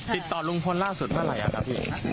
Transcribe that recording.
ติดต่อลุงพลล่าสุดเมื่อไหร่ครับพี่